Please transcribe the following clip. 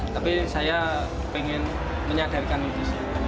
tapi saya pengen menyadarkan itu